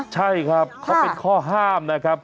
ใช่ครับเขาเป็นข้อห้ามนะครับ